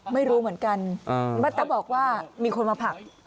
ไม่รู้เหมือนกันแต่บอกว่ามีคนมาผลัก